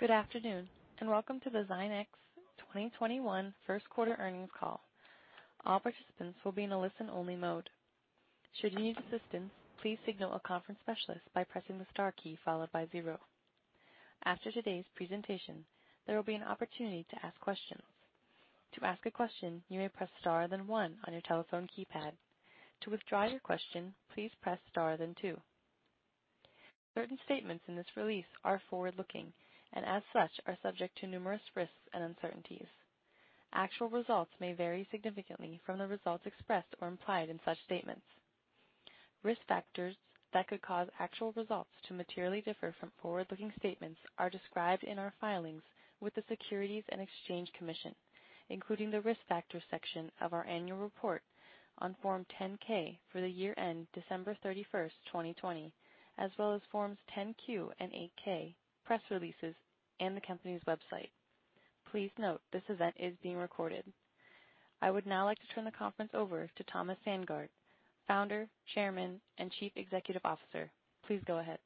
Good afternoon, welcome to the Zynex 2021 First Quarter Earnings Call. All participants will be in a listen-only mode. After today's presentation, there will be an opportunity to ask questions. Certain statements in this release are forward-looking, and as such, are subject to numerous risks and uncertainties. Actual results may vary significantly from the results expressed or implied in such statements. Risk factors that could cause actual results to materially differ from forward-looking statements are described in our filings with the Securities and Exchange Commission, including the Risk Factors section of our annual report on Form 10-K for the year end December 31st, 2020, as well as Forms 10-Q and 8-K, press releases, and the company's website. Please note this event is being recorded. I would now like to turn the conference over to Thomas Sandgaard, Founder, Chairman, and Chief Executive Officer. Please go ahead.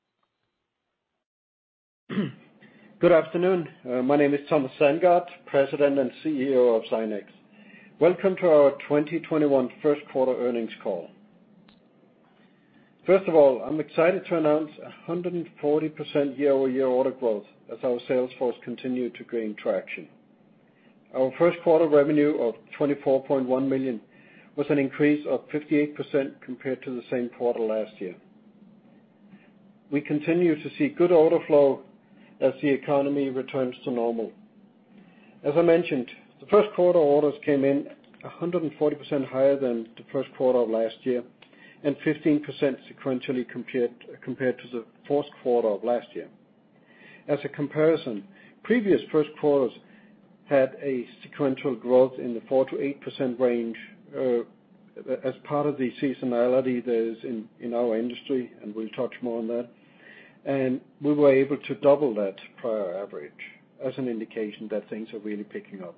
Good afternoon. My name is Thomas Sandgaard, President and CEO of Zynex. Welcome to our 2021 first quarter earnings call. First of all, I'm excited to announce 140% year-over-year order growth as our sales force continued to gain traction. Our first quarter revenue of $24.1 million was an increase of 58% compared to the same quarter last year. We continue to see good order flow as the economy returns to normal. As I mentioned, the first quarter orders came in 140% higher than the first quarter of last year and 15% sequentially compared to the fourth quarter of last year. As a comparison, previous first quarters had a sequential growth in the 4%-8% range as part of the seasonality there is in our industry, and we'll touch more on that. We were able to double that prior average as an indication that things are really picking up.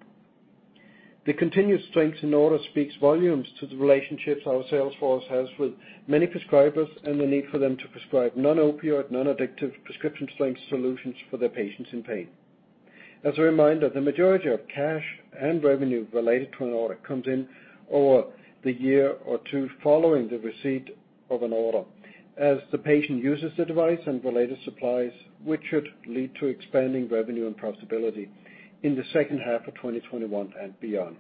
The continued strength in orders speaks volumes to the relationships our sales force has with many prescribers and the need for them to prescribe non-opioid, non-addictive prescription-strength solutions for their patients in pain. As a reminder, the majority of cash and revenue related to an order comes in over the year or two following the receipt of an order as the patient uses the device and related supplies, which should lead to expanding revenue and profitability in the second half of 2021 and beyond.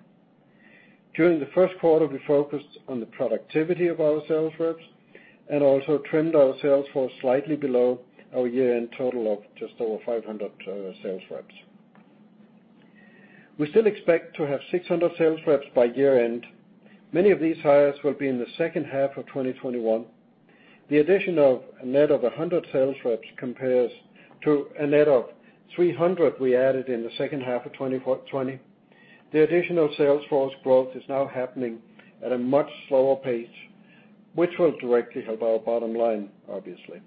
During the first quarter, we focused on the productivity of our sales reps and also trimmed our sales force slightly below our year-end total of just over 500 sales reps. We still expect to have 600 sales reps by year-end. Many of these hires will be in the second half of 2021. The addition of a net of 100 sales reps compares to a net of 300 we added in the second half of 2020. The additional sales force growth is now happening at a much slower pace, which will directly help our bottom line, obviously.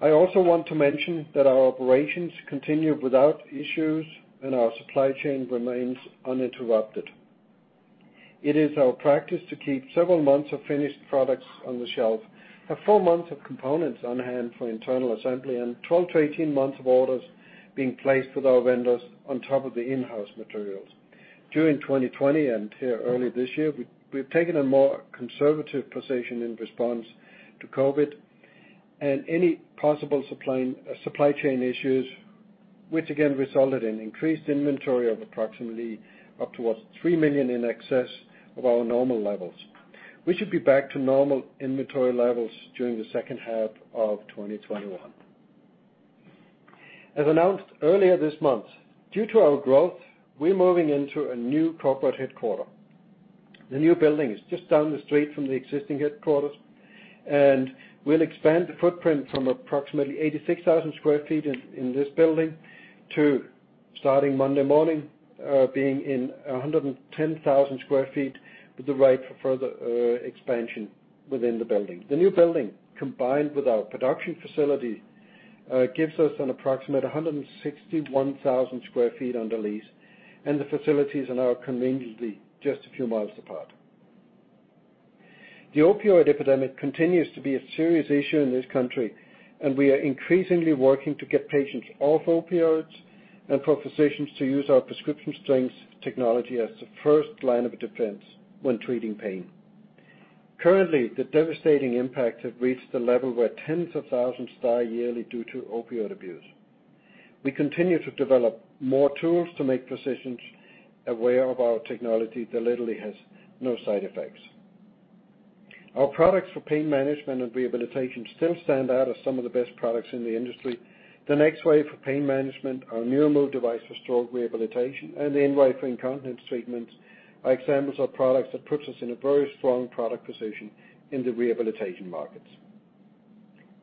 I also want to mention that our operations continue without issues, and our supply chain remains uninterrupted. It is our practice to keep several months of finished products on the shelf, have four months of components on-hand for internal assembly, and 12 months-18 months of orders being placed with our vendors on top of the in-house materials. During 2020 and here early this year, we've taken a more conservative position in response to COVID and any possible supply chain issues, which again resulted in increased inventory of approximately up towards $3 million in excess of our normal levels. We should be back to normal inventory levels during the second half of 2021. As announced earlier this month, due to our growth, we're moving into a new corporate headquarter. The new building is just down the street from the existing headquarters. We'll expand the footprint from approximately 86,000 sq ft in this building to, starting Monday morning, being in 110,000 sq ft with the right for further expansion within the building. The new building, combined with our production facility, gives us an approximate 161,000 sq ft under lease. The facilities are now conveniently just a few miles apart. The opioid epidemic continues to be a serious issue in this country. We are increasingly working to get patients off opioids and for physicians to use our prescription-strength technology as the first line of defense when treating pain. Currently, the devastating impact has reached the level where tens of thousands die yearly due to opioid abuse. We continue to develop more tools to make physicians aware of our technology that literally has no side effects. Our products for pain management and rehabilitation still stand out as some of the best products in the industry. The NexWave for pain management, our NeuroMove device for stroke rehabilitation, and the InWave for incontinence treatments are examples of products that puts us in a very strong product position in the rehabilitation markets.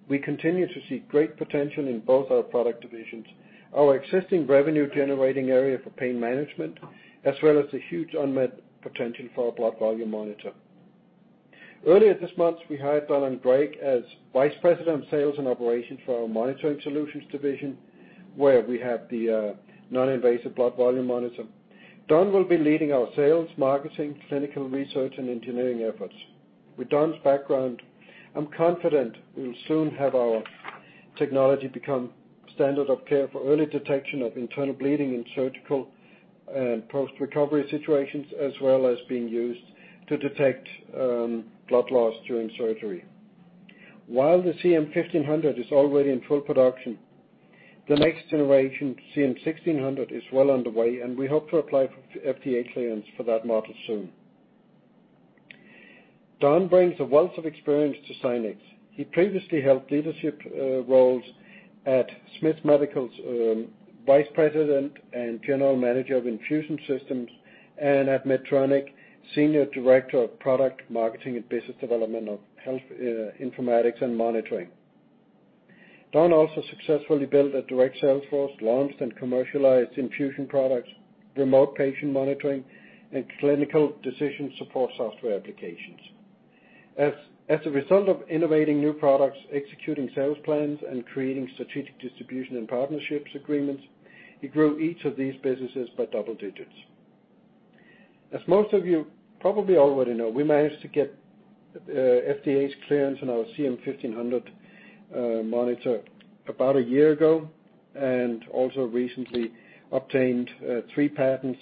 We continue to see great potential in both our product divisions, our existing revenue-generating area for pain management, as well as the huge unmet potential for our blood volume monitor. Earlier this month, we hired Donald Gregg as Vice President of Sales and Operations for our Monitoring Solutions division, where we have the non-invasive blood volume monitor. Don will be leading our sales, marketing, clinical research, and engineering efforts. With Don's background, I'm confident we will soon have our technology become standard of care for early detection of internal bleeding in surgical and post-recovery situations, as well as being used to detect blood loss during surgery. While the CM1500 is already in full production, the next generation CM-1600 is well underway, and we hope to apply for FDA clearance for that model soon. Don brings a wealth of experience to Zynex. He previously held leadership roles at Smiths Medical as Vice President and General Manager of Infusion Systems, and at Medtronic, Senior Director of Product Marketing and Business Development of Health Informatics and Monitoring. Don also successfully built a direct sales force, launched and commercialized infusion products, remote patient monitoring, and clinical decision support software applications. As a result of innovating new products, executing sales plans, and creating strategic distribution and partnerships agreements, he grew each of these businesses by double digits. As most of you probably already know, we managed to get FDA's clearance on our CM-1500 monitor about a year ago, and also recently obtained three patents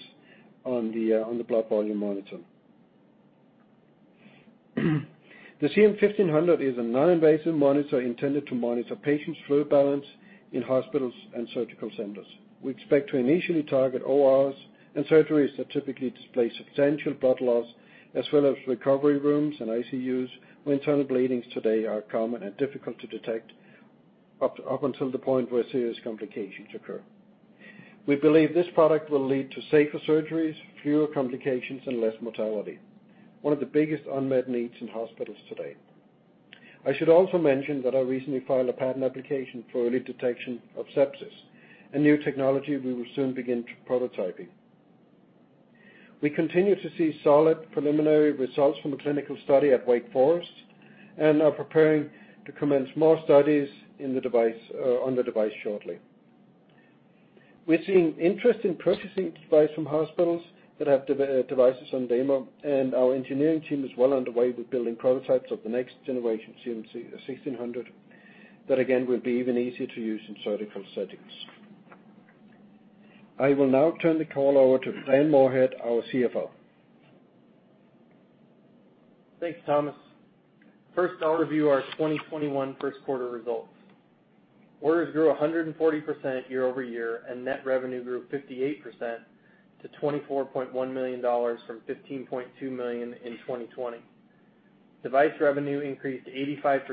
on the blood volume monitor. The CM-1500 is a non-invasive monitor intended to monitor patients' fluid balance in hospitals and surgical centers. We expect to initially target ORs and surgeries that typically display substantial blood loss, as well as recovery rooms and ICUs, where internal bleedings today are common and difficult to detect up until the point where serious complications occur. We believe this product will lead to safer surgeries, fewer complications, and less mortality, one of the biggest unmet needs in hospitals today. I should also mention that I recently filed a patent application for early detection of sepsis, a new technology we will soon begin prototyping. We continue to see solid preliminary results from the clinical study at Wake Forest and are preparing to commence more studies on the device shortly. We're seeing interest in purchasing the device from hospitals that have devices on demo, and our engineering team is well underway with building prototypes of the next generation CM-1600. That, again, will be even easier to use in surgical settings. I will now turn the call over to Dan Moorhead, our CFO. Thanks, Thomas. First, I'll review our 2021 first quarter results. Orders grew 140% year-over-year, and net revenue grew 58% to $24.1 million from $15.2 million in 2020. Device revenue increased 85%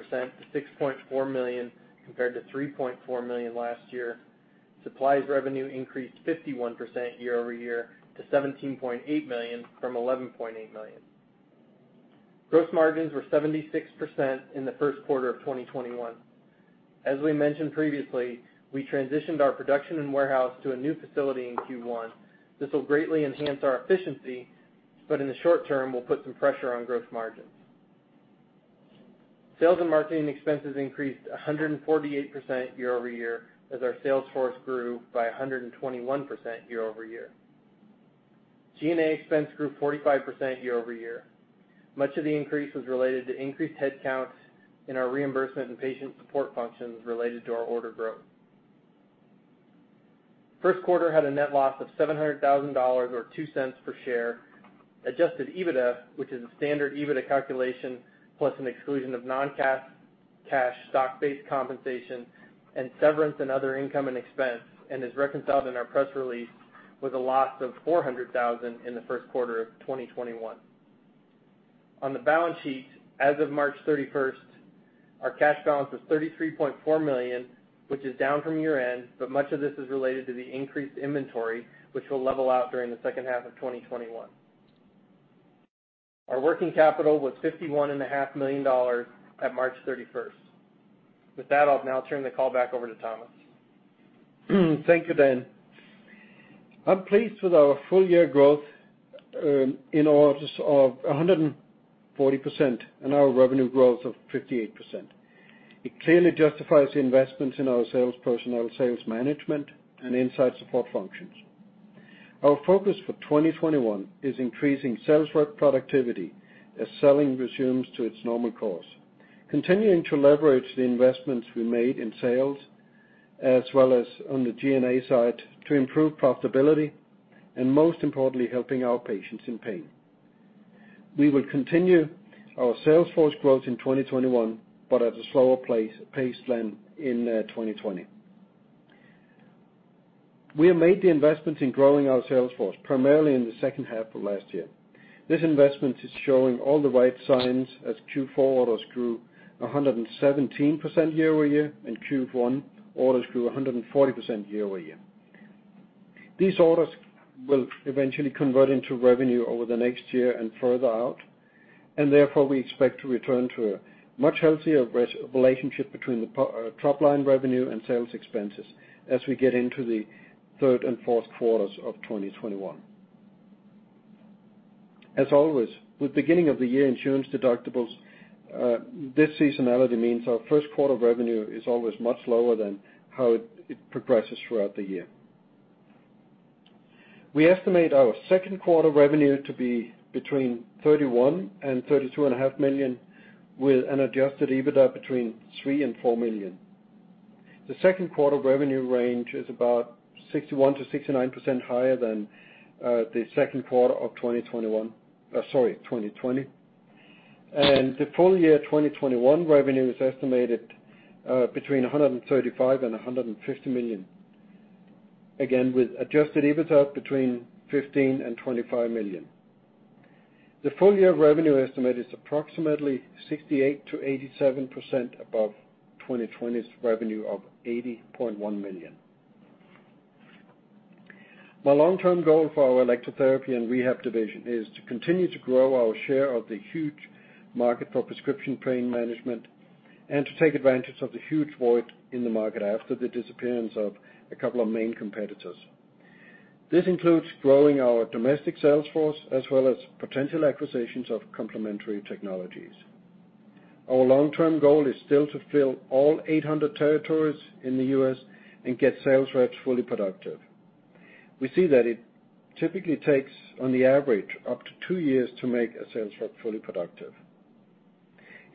to $6.4 million, compared to $3.4 million last year. Supplies revenue increased 51% year-over-year to $17.8 million from $11.8 million. Gross margins were 76% in the first quarter of 2021. As we mentioned previously, we transitioned our production and warehouse to a new facility in Q1. This will greatly enhance our efficiency, but in the short term, will put some pressure on gross margins. Sales and marketing expenses increased 148% year-over-year as our sales force grew by 121% year-over-year. G&A expense grew 45% year-over-year. Much of the increase was related to increased headcounts in our reimbursement and patient support functions related to our order growth. First quarter had a net loss of $700,000 or $0.02 per share. Adjusted EBITDA, which is a standard EBITDA calculation plus an exclusion of non-cash stock-based compensation and severance and other income and expense, and is reconciled in our press release with a loss of $400,000 in the first quarter of 2021. On the balance sheet, as of March 31st, our cash balance was $33.4 million, which is down from year-end, but much of this is related to the increased inventory, which will level out during the second half of 2021. Our working capital was $51.5 million at March 31st. With that, I'll now turn the call back over to Thomas. Thank you, Dan. I'm pleased with our first quarter growth in orders of 140% and our revenue growth of 58%. It clearly justifies the investments in our sales personnel, sales management, and inside support functions. Our focus for 2021 is increasing sales rep productivity as selling resumes to its normal course, continuing to leverage the investments we made in sales, as well as on the G&A side to improve profitability, and most importantly, helping our patients in pain. We will continue our sales force growth in 2021, but at a slower pace than in 2020. We have made the investments in growing our sales force, primarily in the second half of last year. This investment is showing all the right signs as Q4 orders grew 117% year-over-year, and Q1 orders grew 140% year-over-year. These orders will eventually convert into revenue over the next year and further out, and therefore, we expect to return to a much healthier relationship between the top-line revenue and sales expenses as we get into the third and fourth quarters of 2021. As always, with beginning of the year insurance deductibles, this seasonality means our first quarter revenue is always much lower than how it progresses throughout the year. We estimate our second quarter revenue to be between $31 million and $32.5 million, with an adjusted EBITDA between $3 million and $4 million. The second quarter revenue range is about 61%-69% higher than the second quarter of 2020. The full year 2021 revenue is estimated between $135 million and $150 million. Again, with adjusted EBITDA between $15 million and $25 million. The full year revenue estimate is approximately 68%-87% above 2020's revenue of $80.1 million. My long-term goal for our electrotherapy and rehab division is to continue to grow our share of the huge market for prescription pain management, and to take advantage of the huge void in the market after the disappearance of a couple of main competitors. This includes growing our domestic sales force, as well as potential acquisitions of complementary technologies. Our long-term goal is still to fill all 800 territories in the U.S. and get sales reps fully productive. We see that it typically takes, on the average, up to two years to make a sales rep fully productive.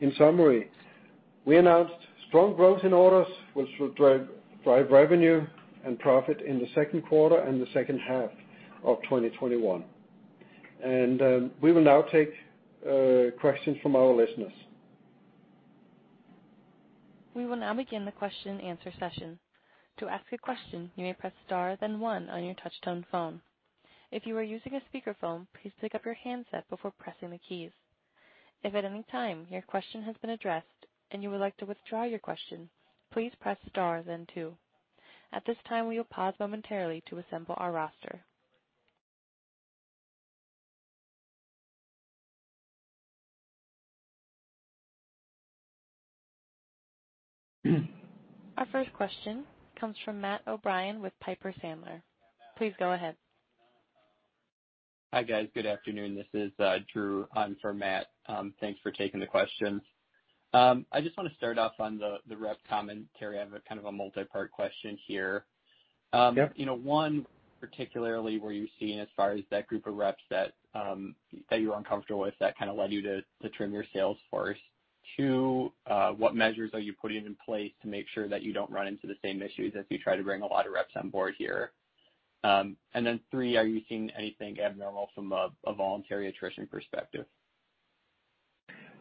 In summary, we announced strong growth in orders, which will drive revenue and profit in the second quarter and the second half of 2021. We will now take questions from our listeners. Our first question comes from Matt O'Brien with Piper Sandler. Please go ahead. Hi, guys. Good afternoon. This is Drew, in for Matt. Thanks for taking the question. I just want to start off on the rep commentary. I have a kind of a multi-part question here. One, particularly where you're seeing as far as that group of reps that you were uncomfortable with, that kind of led you to trim your sales force? Two, what measures are you putting in place to make sure that you don't run into the same issues as you try to bring a lot of reps on board here? Three, are you seeing anything abnormal from a voluntary attrition perspective?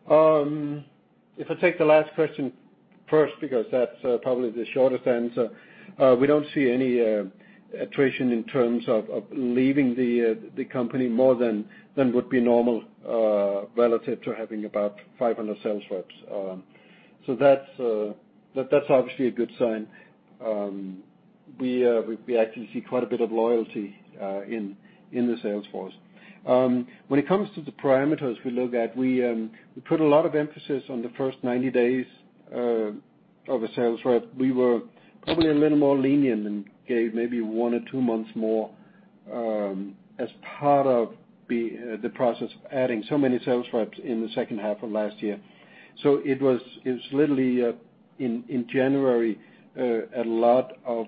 If I take the last question first, because that's probably the shortest answer. We don't see any attrition in terms of leaving the company more than would be normal, relative to having about 500 sales reps. That's obviously a good sign. We actually see quite a bit of loyalty in the sales force. When it comes to the parameters we look at, we put a lot of emphasis on the first 90 days of a sales rep. We were probably a little more lenient and gave maybe one or two months more, as part of the process of adding so many sales reps in the second half of last year. It was literally in January, a lot of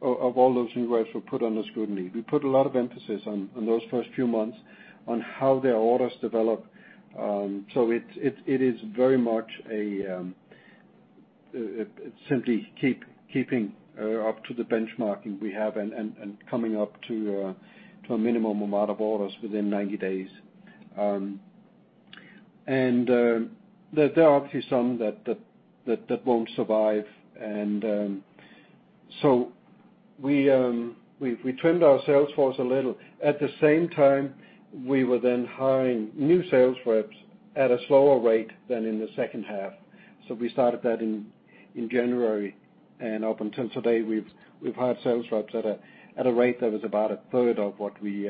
all those new reps were put under scrutiny. We put a lot of emphasis on those first few months on how their orders develop. It is very much simply keeping up to the benchmarking we have and coming up to a minimum amount of orders within 90 days. There are obviously some that won't survive. We trimmed our sales force a little. At the same time, we were then hiring new sales reps at a slower rate than in the second half. We started that in January, and up until today, we've hired sales reps at a rate that was about a third of what we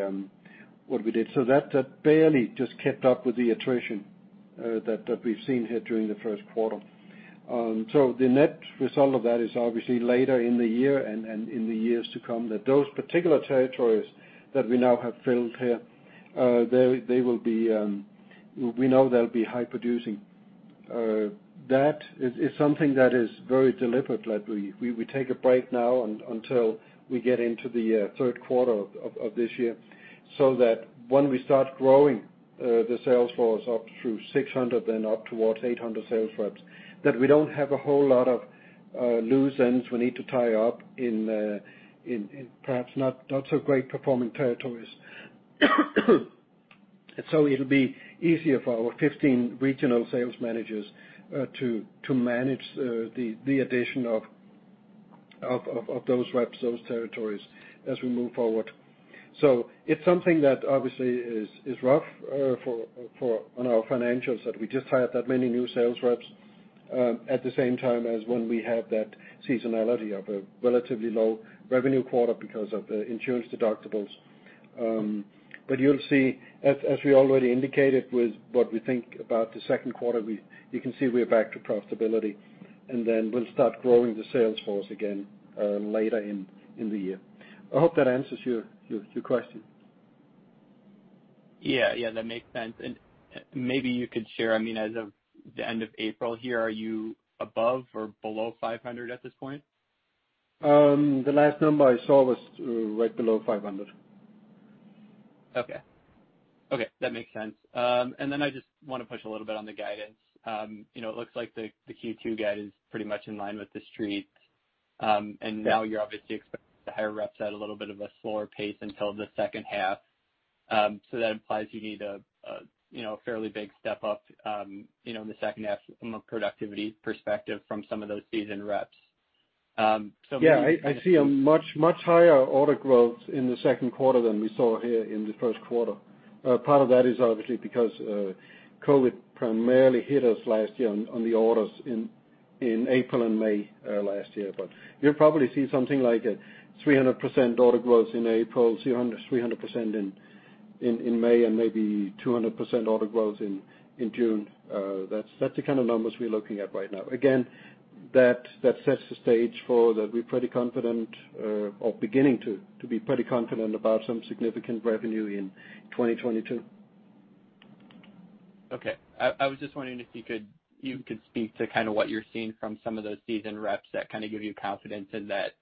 did. That barely just kept up with the attrition that we've seen here during the first quarter. The net result of that is obviously later in the year and in the years to come, that those particular territories that we now have filled here, we know they'll be high producing. That is something that is very deliberate, that we take a break now until we get into the third quarter of this year, so that when we start growing the sales force up through 600, then up towards 800 sales reps, that we don't have a whole lot of loose ends we need to tie up in perhaps not so great performing territories. It'll be easier for our 15 regional sales managers to manage the addition of those reps, those territories as we move forward. It's something that obviously is rough on our financials, that we just hired that many new sales reps at the same time as when we have that seasonality of a relatively low revenue quarter because of the insurance deductibles. You'll see, as we already indicated with what we think about the second quarter, you can see we are back to profitability. Then we'll start growing the sales force again later in the year. I hope that answers your question. Yeah. That makes sense. Maybe you could share, as of the end of April here, are you above or below 500 at this point? The last number I saw was right below 500. Okay. That makes sense. I just want to push a little bit on the guidance. It looks like the Q2 guide is pretty much in line with The Street. Now you're obviously expecting the higher reps at a little bit of a slower pace until the second half. That implies you need a fairly big step up in the second half from a productivity perspective from some of those seasoned reps. Yeah, I see a much higher order growth in the second quarter than we saw here in the first quarter. Part of that is obviously because COVID primarily hit us last year on the orders in April and May last year. You'll probably see something like a 300% order growth in April, 300% in May, and maybe 200% order growth in June. That's the kind of numbers we're looking at right now. That sets the stage for that we're pretty confident, or beginning to be pretty confident about some significant revenue in 2022. Okay. I was just wondering if you could speak to what you're seeing from some of those seasoned reps that give you confidence in that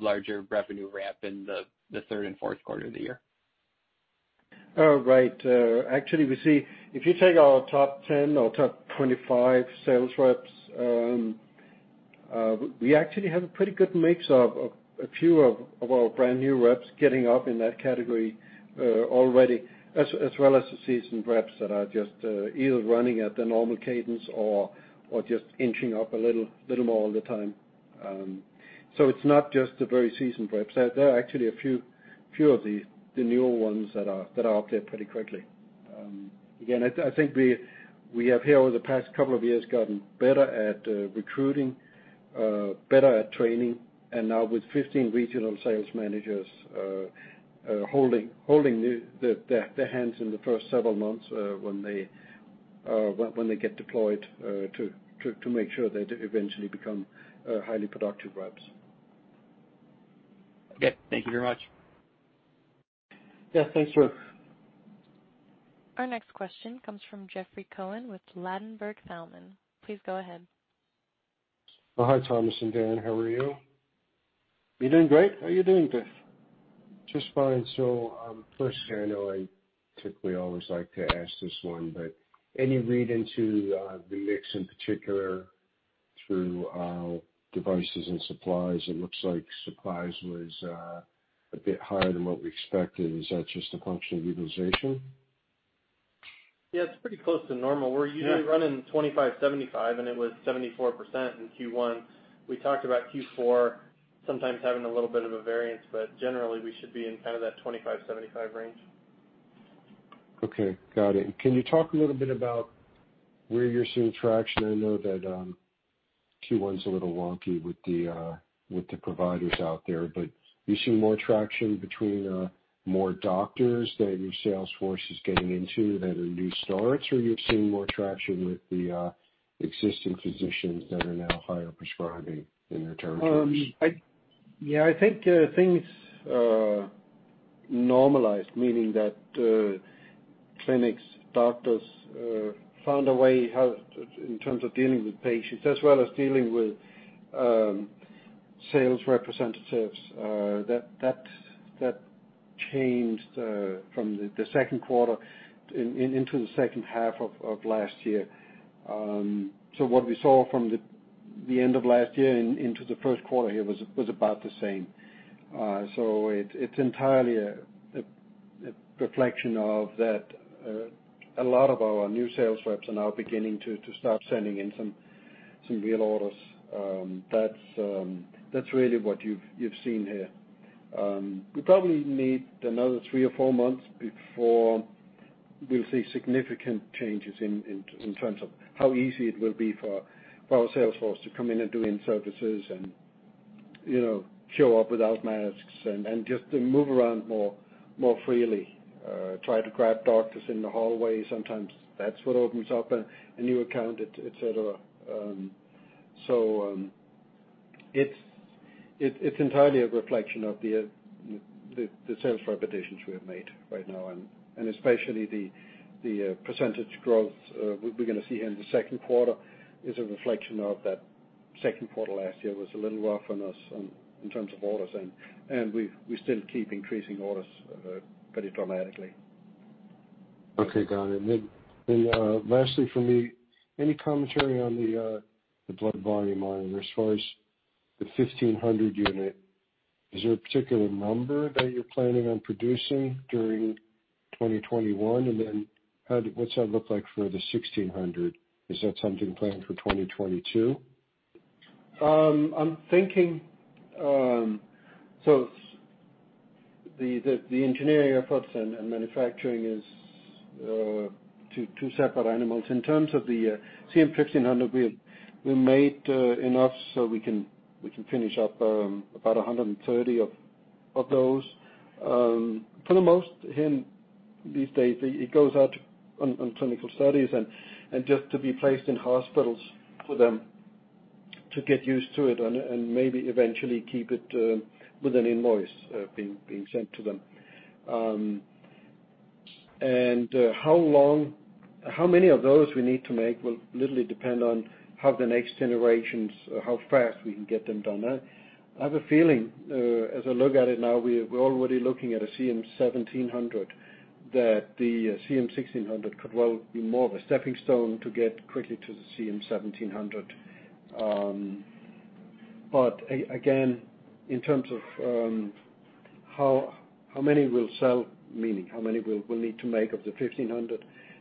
larger revenue ramp in the third and fourth quarter of the year? Right. Actually, we see if you take our top 10 or top 25 sales reps, we actually have a pretty good mix of a few of our brand-new reps getting up in that category already, as well as the seasoned reps that are just either running at the normal cadence or just inching up a little more all the time. It's not just the very seasoned reps. There are actually a few of the newer ones that are up there pretty quickly. I think we have here over the past couple of years gotten better at recruiting, better at training, and now with 15 regional sales managers holding their hands in the first several months when they get deployed to make sure they eventually become highly productive reps. Okay. Thank you very much. Yeah. Thanks, Drew. Our next question comes from Jeffrey Cohen with Ladenburg Thalmann. Please go ahead. Hi, Thomas and Dan. How are you? We're doing great. How are you doing, Jeff? Just fine. First, I know I typically always like to ask this one, but any read into the mix, in particular through devices and supplies? It looks like supplies was a bit higher than what we expected. Is that just a function of utilization? Yeah, it's pretty close to normal. We're usually running 25%-75%. It was 74% in Q1. We talked about Q4 sometimes having a little bit of a variance. Generally, we should be in that 25%-75% range. Okay, got it. Can you talk a little bit about where you're seeing traction? I know that Q1's a little wonky with the providers out there, are you seeing more traction between more doctors that your sales force is getting into that are new starts, or are you seeing more traction with the existing physicians that are now higher prescribing in their territories? Yeah, I think things normalized, meaning that clinics, doctors found a way how, in terms of dealing with patients as well as dealing with sales representatives. That changed from the second quarter into the second half of last year. What we saw from the end of last year and into the first quarter here was about the same. It's entirely a reflection of that a lot of our new sales reps are now beginning to start sending in some real orders. That's really what you've seen here. We probably need another three or four months before we'll see significant changes in terms of how easy it will be for our sales force to come in and do in-services and show up without masks and just to move around more freely. Try to grab doctors in the hallway. Sometimes that's what opens up a new account, et cetera. It's entirely a reflection of the sales repetitions we have made right now. Especially the percentage growth we're going to see here in the second quarter is a reflection of that second quarter last year was a little rough on us in terms of orders, and we still keep increasing orders pretty dramatically. Okay, got it. Lastly from me, any commentary on the blood volume monitor as far as the CM-1500 unit. Is there a particular number that you're planning on producing during 2021? What's that look like for the CM-1600 unit? Is that something planned for 2022? I'm thinking the engineering efforts and manufacturing is two separate animals. In terms of the CM-1500, we made enough so we can finish up about 130 of those. For the most, these days, it goes out on clinical studies and just to be placed in hospitals for them to get used to it and maybe eventually keep it with an invoice being sent to them. How many of those we need to make will literally depend on how the next generations, how fast we can get them done. I have a feeling, as I look at it now, we're already looking at a CM-1700, that the CM-1600 could well be more of a stepping stone to get quickly to the CM-1700. Again, in terms of how many we'll sell, meaning how many we'll need to make of the CM-1500,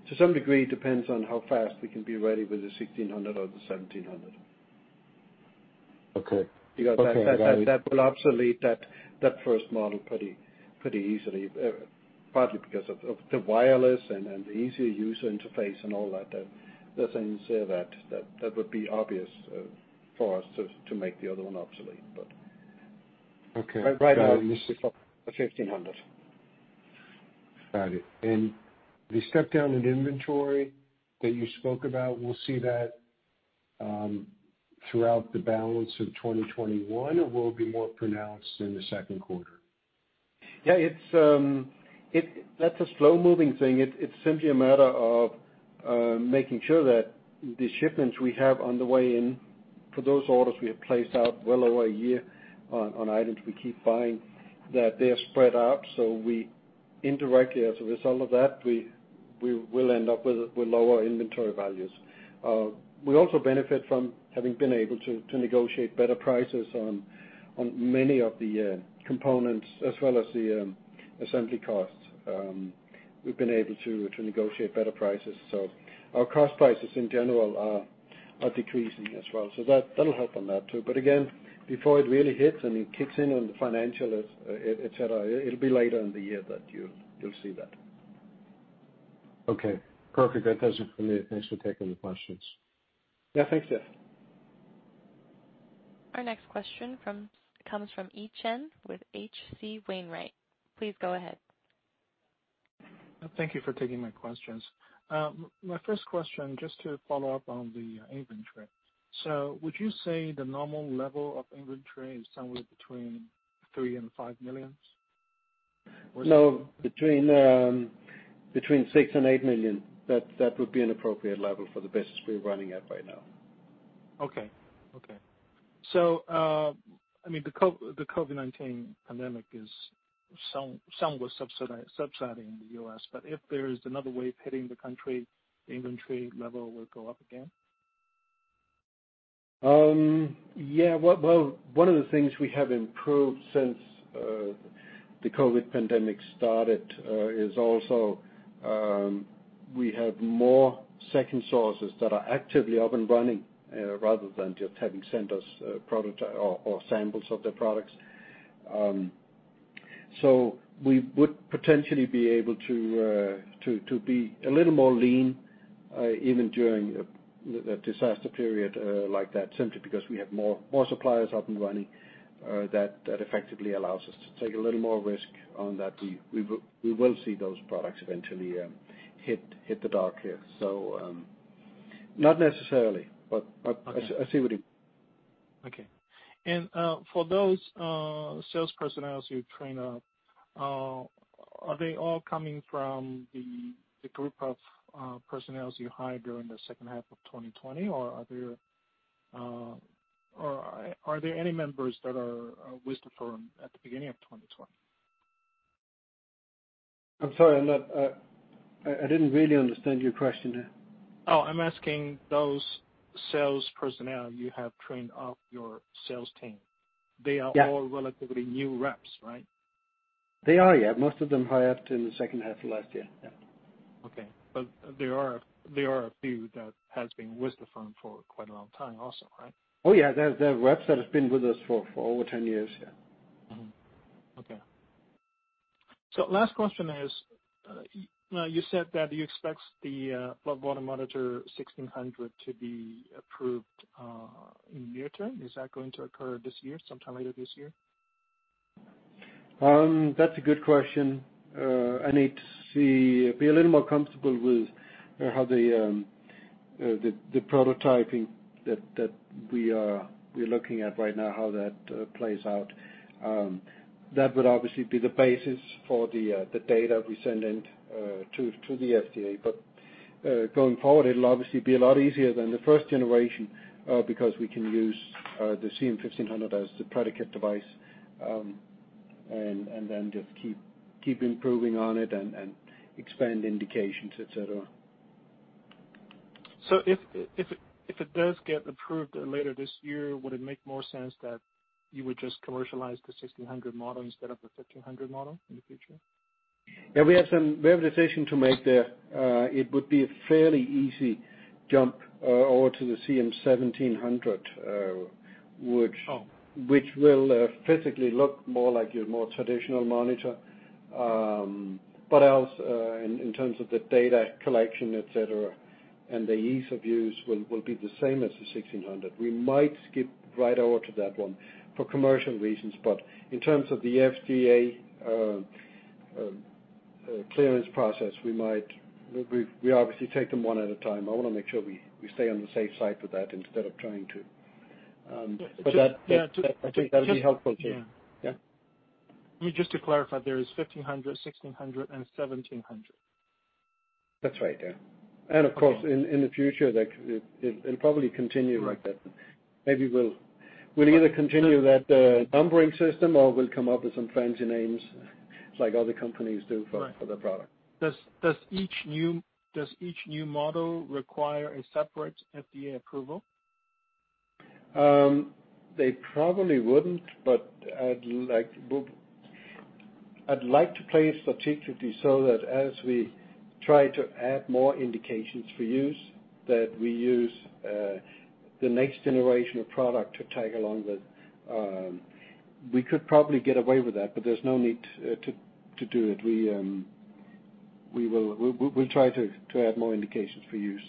to some degree, it depends on how fast we can be ready with the CM-1600 or the CM-1700. Okay. Because that will obsolete that first model pretty easily, partly because of the wireless and the easier user interface and all that. The things that would be obvious for us to make the other one obsolete. Okay. Got it. Right now, it's the CM-1500. Got it. The step-down in inventory that you spoke about, we'll see that throughout the balance of 2021, or will it be more pronounced in the second quarter? Yeah. That's a slow-moving thing. It's simply a matter of making sure that the shipments we have on the way in for those orders we have placed out well over a year on items, we keep finding that they are spread out. Indirectly, as a result of that, we will end up with lower inventory values. We also benefit from having been able to negotiate better prices on many of the components as well as the assembly costs. We've been able to negotiate better prices. Our cost prices in general are decreasing as well. That'll help on that too. Again, before it really hits and it kicks in on the financials, et cetera, it'll be later in the year that you'll see that. Okay, perfect. That does it for me. Thanks for taking the questions. Yeah, thanks, Jeff. Our next question comes from Yi Chen with H.C. Wainwright. Please go ahead. Thank you for taking my questions. My first question, just to follow up on the inventory. Would you say the normal level of inventory is somewhere between $3 million and $5 million? No, between $6 million and $8 million. That would be an appropriate level for the business we're running at right now. Okay. The COVID-19 pandemic is somewhat subsiding in the U.S., but if there is another wave hitting the country, the inventory level will go up again? Yeah. Well, one of the things we have improved since the COVID pandemic started is also we have more second sources that are actively up and running, rather than just having sent us product or samples of their products. We would potentially be able to be a little more lean, even during a disaster period like that, simply because we have more suppliers up and running that effectively allows us to take a little more risk on that. We will see those products eventually hit the dock here. Not necessarily, but I see what you. Okay. For those sales personnel you train up, are they all coming from the group of personnel you hired during the second half of 2020, or are there any members that are with the firm at the beginning of 2020? I'm sorry, I didn't really understand your question there. Oh, I'm asking those sales personnel you have trained up, your sales team. Yeah. They are all relatively new reps, right? They are, yeah. Most of them hired in the second half of last year. Yeah. Okay. There are a few that have been with the firm for quite a long time also, right? Oh, yeah. There are reps that have been with us for over 10 years. Okay. Last question is, you said that you expect the blood volume monitor CM-1600 to be approved in near term. Is that going to occur this year, sometime later this year? That's a good question. I need to be a little more comfortable with how the prototyping that we are looking at right now, how that plays out. That would obviously be the basis for the data we send in to the FDA. Going forward, it'll obviously be a lot easier than the first generation because we can use the CM-1500 as the predicate device, and then just keep improving on it and expand indications, et cetera. If it does get approved later this year, would it make more sense that you would just commercialize the CM-1600 model instead of the CM-1500 model in the future? We have a decision to make there. It would be a fairly easy jump over to the CM-1700, which will physically look more like your more traditional monitor. Else, in terms of the data collection, et cetera. The ease of use will be the same as the CM-1600. We might skip right over to that one for commercial reasons. In terms of the FDA clearance process, we obviously take them one at a time. I want to make sure we stay on the safe side with that instead of trying to- Yeah. I think that'll be helpful too. Yeah? Just to clarify, there is CM-1500, CM-1600 and CM-1700. That's right, yeah. Of course, in the future, it'll probably continue like that. Maybe we'll either continue that numbering system or we'll come up with some fancy names like other companies do their product. Does each new model require a separate FDA approval? They probably wouldn't, but I'd like to play it strategically so that as we try to add more indications for use, that we use the next generation of product to tag along with. We could probably get away with that, but there's no need to do it. We'll try to add more indications for use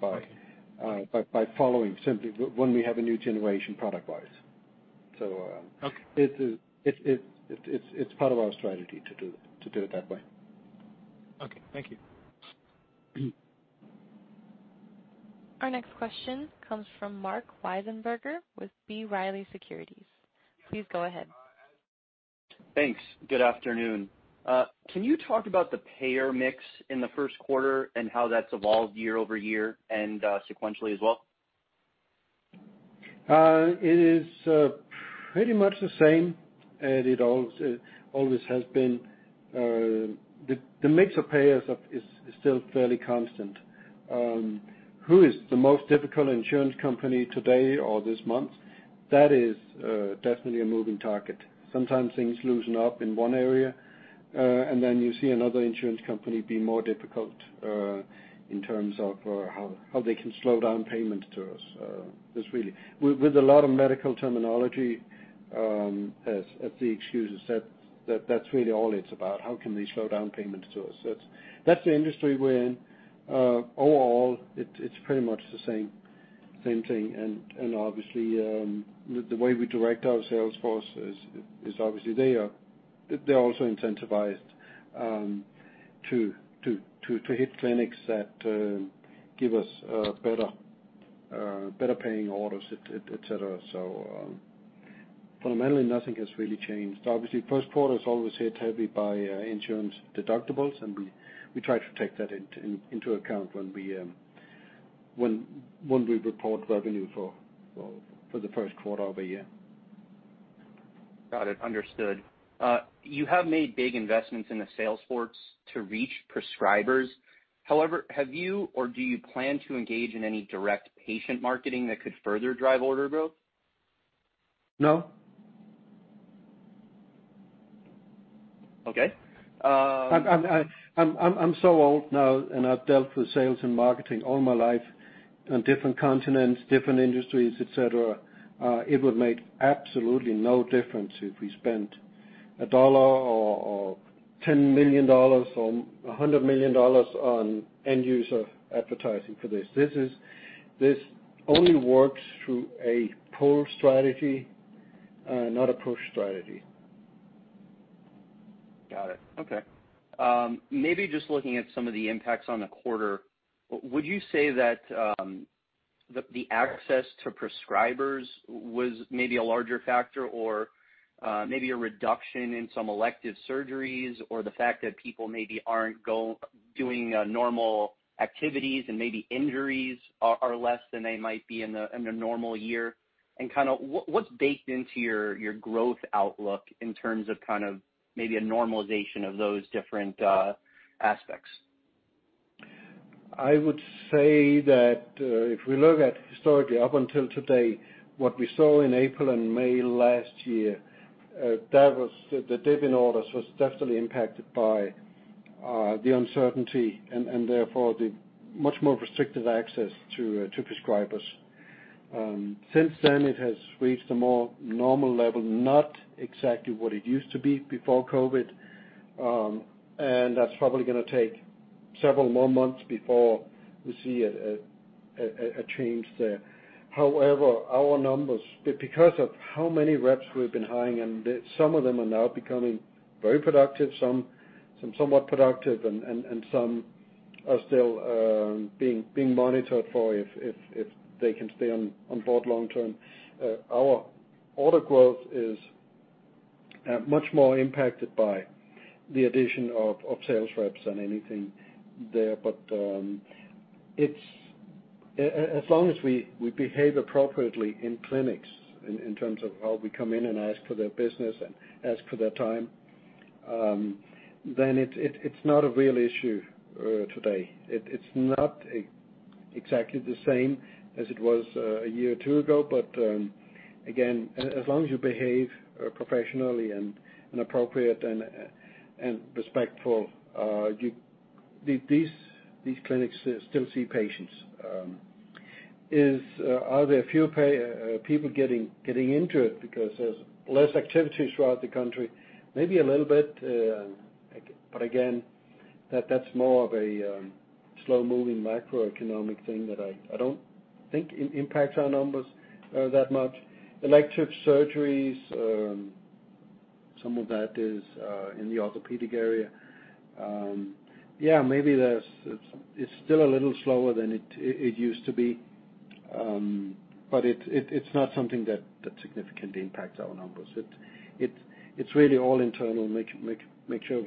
by following simply when we have a new generation product-wise. It's part of our strategy to do it that way. Okay. Thank you. Our next question comes from Marc Wiesenberger with B. Riley Securities. Please go ahead. Thanks. Good afternoon. Can you talk about the payer mix in the first quarter and how that's evolved year-over-year and sequentially as well? It is pretty much the same, and it always has been. The mix of payers is still fairly constant. Who is the most difficult insurance company today or this month? That is definitely a moving target. Sometimes things loosen up in one area, and then you see another insurance company be more difficult in terms of how they can slow down payment to us. With a lot of medical terminology, as the excuses, that's really all it's about. How can they slow down payments to us? That's the industry we're in. Overall, it's pretty much the same thing and obviously, the way we direct our sales force is obviously they're also incentivized to hit clinics that give us better paying orders, et cetera. Fundamentally, nothing has really changed. Obviously, first quarter is always hit heavy by insurance deductibles. We try to take that into account when we report revenue for the first quarter of a year. Got it. Understood. You have made big investments in the sales force to reach prescribers. Have you, or do you plan to engage in any direct patient marketing that could further drive order growth? No. Okay. I'm so old now. I've dealt with sales and marketing all my life on different continents, different industries, et cetera. It would make absolutely no difference if we spent $1 or $10 million or $100 million on end user advertising for this. This only works through a pull strategy, not a push strategy. Got it. Okay. Maybe just looking at some of the impacts on the quarter, would you say that the access to prescribers was maybe a larger factor or maybe a reduction in some elective surgeries, or the fact that people maybe aren't doing normal activities and maybe injuries are less than they might be in a normal year? What's baked into your growth outlook in terms of maybe a normalization of those different aspects? I would say that if we look at historically up until today, what we saw in April and May last year, the dip in orders was definitely impacted by the uncertainty and therefore the much more restrictive access to prescribers. Since then, it has reached a more normal level, not exactly what it used to be before COVID, and that's probably going to take several more months before we see a change there. However, our numbers, because of how many reps we've been hiring, and some of them are now becoming very productive, some somewhat productive, and some are still being monitored for if they can stay on board long term. Our order growth is much more impacted by the addition of sales reps than anything there. As long as we behave appropriately in clinics in terms of how we come in and ask for their business and ask for their time, then it's not a real issue today. It's not exactly the same as it was a year or two ago. Again, as long as you behave professionally and appropriately and respectful, these clinics still see patients. Are there fewer people getting into it because there's less activity throughout the country? Maybe a little bit. Again, that's more of a slow-moving macroeconomic thing that I don't think impacts our numbers that much. Elective surgeries, some of that is in the orthopedic area. Maybe it's still a little slower than it used to be. It's not something that significantly impacts our numbers. It's really all internal, make sure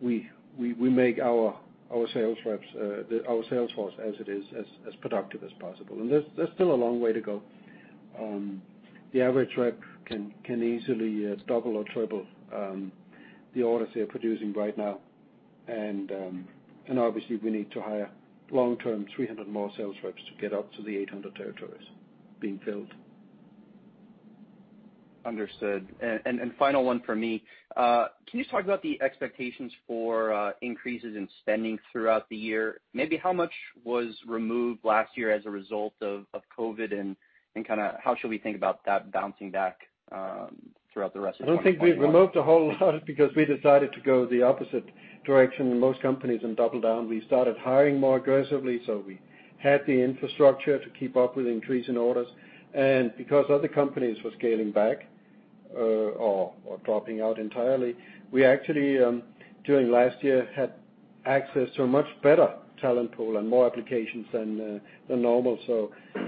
we make our sales force, as it is, as productive as possible. There's still a long way to go. The average rep can easily double or triple the orders they're producing right now. Obviously, we need to hire long-term, 300 more sales reps to get up to the 800 territories being filled. Understood. Final one from me. Can you talk about the expectations for increases in spending throughout the year? Maybe how much was removed last year as a result of COVID, and how should we think about that bouncing back throughout the rest of 2021? I don't think we've removed a whole lot because we decided to go the opposite direction than most companies and double down. We started hiring more aggressively, so we had the infrastructure to keep up with increases in orders. Because other companies were scaling back or dropping out entirely, we actually, during last year, had access to a much better talent pool and more applications than normal.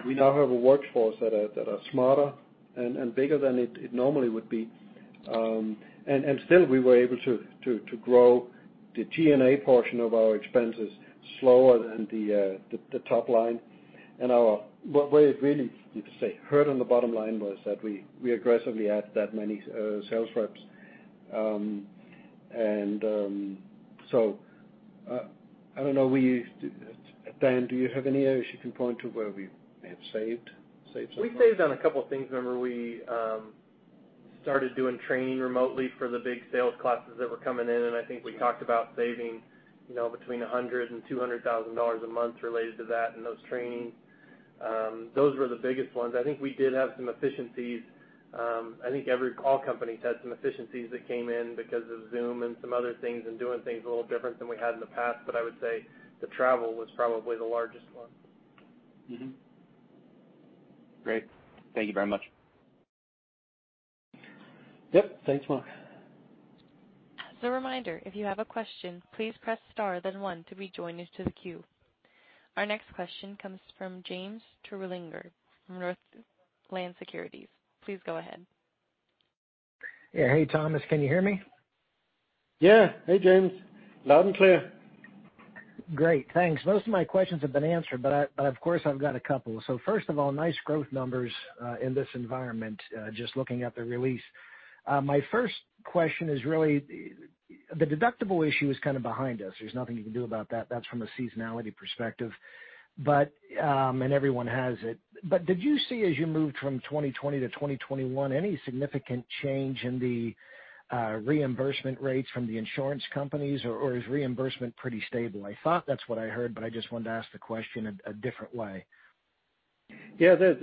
We now have a workforce that are smarter and bigger than it normally would be. Still, we were able to grow the G&A portion of our expenses slower than the top line. Where it really, you could say, hurt on the bottom line was that we aggressively added that many sales reps. I don't know, Dan, do you have any areas you can point to where we have saved somewhere? We saved on a couple of things, remember we started doing training remotely for the big sales classes that were coming in, and I think we talked about saving between $100,000 and $200,000 a month related to that and those trainings. Those were the biggest ones. I think we did have some efficiencies. I think all companies had some efficiencies that came in because of Zoom and some other things, and doing things a little different than we had in the past. I would say the travel was probably the largest one. Mm-hmm. Great. Thank you very much. Yep. Thanks, Marc. As a reminder, if you have a question, please press star then one to be joined into the queue. Our next question comes from James Terwilliger from Northland Securities. Please go ahead. Hey, Thomas, can you hear me? Yeah. Hey, James. Loud and clear. Great. Thanks. Most of my questions have been answered, but, of course, I've got a couple. First of all, nice growth numbers in this environment, just looking at the release. My first question is really, the deductible issue is kind of behind us. There's nothing you can do about that. That's from a seasonality perspective, and everyone has it. Did you see, as you moved from 2020 to 2021, any significant change in the reimbursement rates from the insurance companies, or is reimbursement pretty stable? I thought that's what I heard, but I just wanted to ask the question a different way. Yeah. There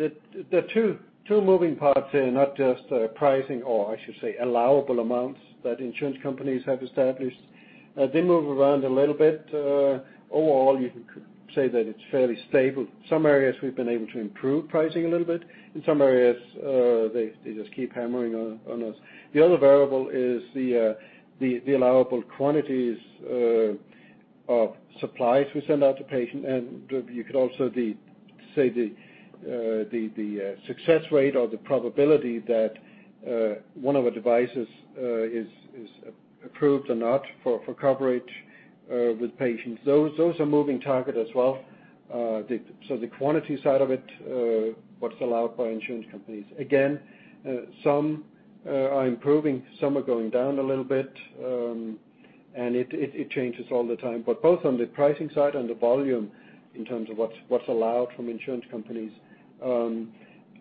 are two moving parts there, not just pricing, or I should say, allowable amounts that insurance companies have established. They move around a little bit. Overall, you could say that it's fairly stable. Some areas we've been able to improve pricing a little bit. In some areas, they just keep hammering on us. The other variable is the allowable quantities of supplies we send out to patients, and you could also say the success rate or the probability that one of our devices is approved or not for coverage with patients. Those are a moving target as well. The quantity side of it, what's allowed by insurance companies. Again, some are improving, some are going down a little bit. It changes all the time. Both on the pricing side and the volume in terms of what's allowed from insurance companies,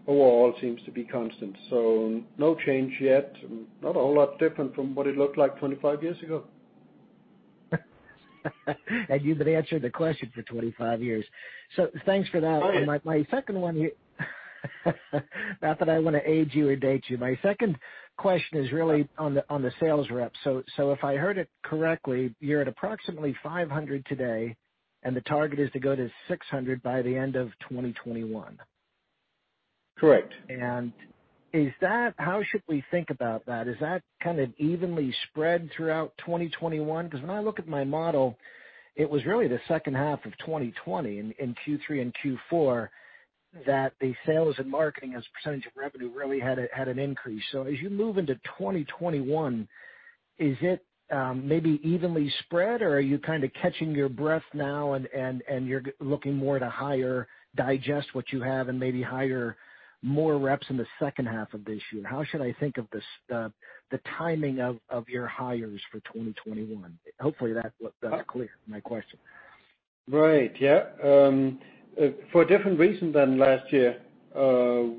overall seems to be constant. No change yet. Not a whole lot different from what it looked like 25 years ago. You've been answering the question for 25 years. Thanks for that. Oh, yeah. My second one, not that I want to age you or date you. My second question is really on the sales reps. If I heard it correctly, you're at approximately 500 today, and the target is to go to 600 by the end of 2021. Correct. How should we think about that? Is that kind of evenly spread throughout 2021? When I look at my model, it was really the second half of 2020 in Q3 and Q4 that the sales and marketing as a percentage of revenue really had an increase. As you move into 2021, is it maybe evenly spread, or are you kind of catching your breath now, and you're looking more to hire, digest what you have, and maybe hire more reps in the second half of this year? How should I think of the timing of your hires for 2021? Hopefully that's clear, my question. For a different reason than last year,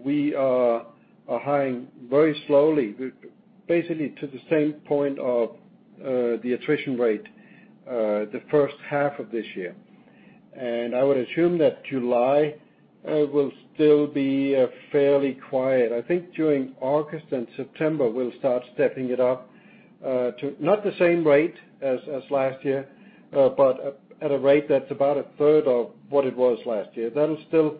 we are hiring very slowly, basically to the same point of the attrition rate the first half of this year. I would assume that July will still be fairly quiet. I think during August and September, we'll start stepping it up to not the same rate as last year, but at a rate that's about a third of what it was last year. That'll still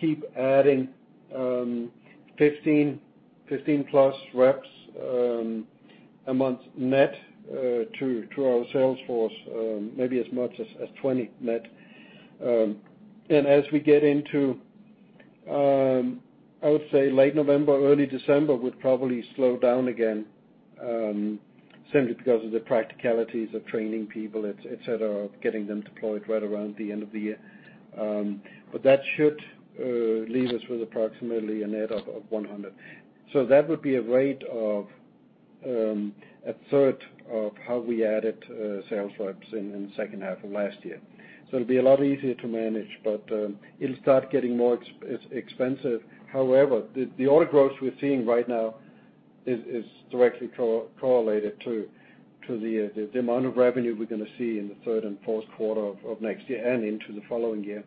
keep adding 15+ reps a month net to our sales force, maybe as much as 20 net. As we get into, I would say, late November, early December, would probably slow down again, simply because of the practicalities of training people, et cetera, of getting them deployed right around the end of the year. That should leave us with approximately a net of 100. That would be a rate of a third of how we added sales reps in the second half of last year. It'll be a lot easier to manage, but it'll start getting more expensive. However, the order growth we're seeing right now is directly correlated to the amount of revenue we're going to see in the third and fourth quarter of next year and into the following year.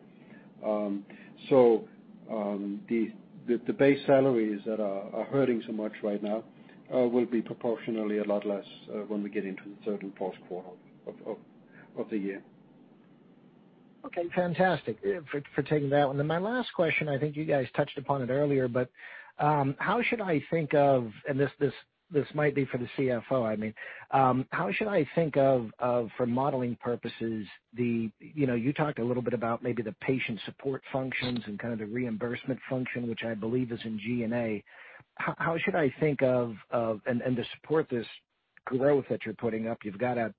The base salaries that are hurting so much right now will be proportionally a lot less when we get into the third and fourth quarter of the year. Okay, fantastic for taking that one. My last question, I think you guys touched upon it earlier, but how should I think of, and this might be for the CFO, I mean. How should I think of, for modeling purposes, you talked a little bit about maybe the patient support functions and kind of the reimbursement function, which I believe is in G&A. How should I think of, and to support this growth that you're putting up, you've got to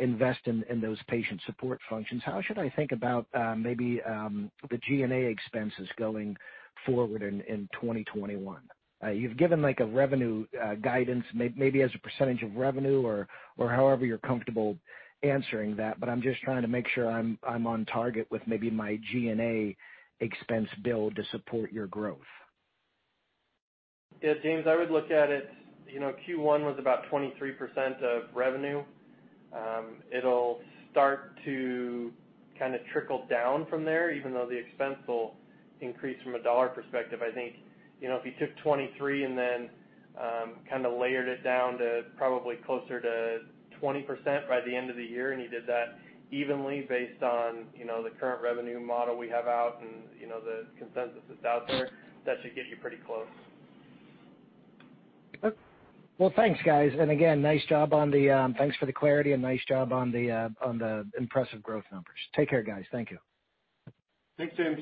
invest in those patient support functions. How should I think about maybe the G&A expenses going forward in 2021? You've given like a revenue guidance, maybe as a percentage of revenue or however you're comfortable answering that, but I'm just trying to make sure I'm on target with maybe my G&A expense build to support your growth. Yeah, James, I would look at it, Q1 was about 23% of revenue. It'll start to kind of trickle down from there, even though the expense will increase from a dollar perspective. I think, if you took 23% and then kind of layered it down to probably closer to 20% by the end of the year, and you did that evenly based on the current revenue model we have out and the consensus that's out there, that should get you pretty close. Okay. Well, thanks, guys. Thanks for the clarity and nice job on the impressive growth numbers. Take care, guys. Thank you. Thanks, James.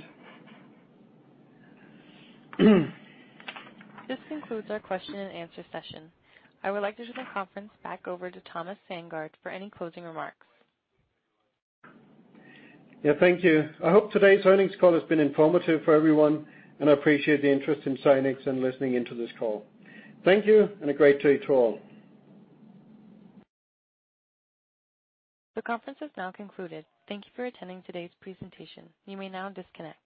This concludes our question and answer session. I would like to turn the conference back over to Thomas Sandgaard for any closing remarks. Yeah. Thank you. I hope today's earnings call has been informative for everyone, and I appreciate the interest in Zynex and listening in to this call. Thank you and a great day to all. The conference has now concluded. Thank you for attending today's presentation. You may now disconnect.